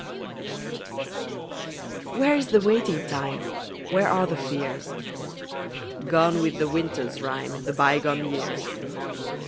Song Where is the waiting time? Where are the fears? Gone with the winter's rime, The bygone years.